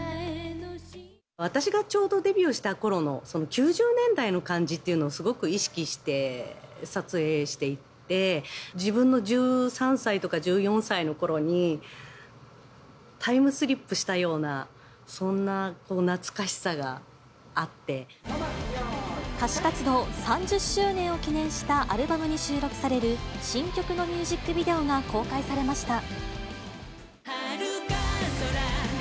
私がちょうどデビューしたころの、その９０年代の感じっていうのを、すごく意識して撮影していって、自分の１３歳とか１４歳のころに、タイムスリップしたような、歌手活動３０周年を記念したアルバムに収録される、新曲のミュージックビデオが公開されました。